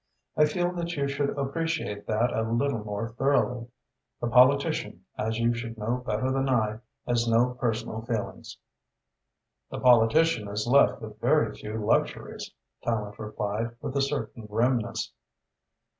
I feel that you should appreciate that a little more thoroughly. The politician, as you should know better than I, has no personal feelings." "The politician is left with very few luxuries," Tallente replied, with a certain grimness.